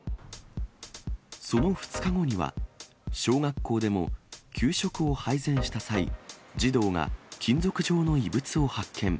その２日後には、小学校でも給食を配膳した際、児童が金属状の異物を発見。